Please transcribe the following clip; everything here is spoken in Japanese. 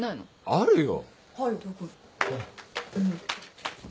あるよ。